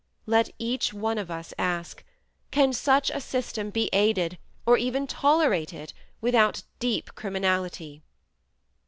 Let each one of us ask, Can such a system be aided, or even tolerated, without deep criminality?"